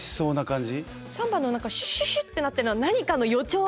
３番の何かシュシュシュッてなってるのは何かの予兆！